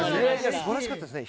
すばらしかったですね。